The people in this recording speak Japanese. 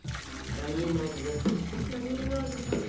ラニーノーズさんです。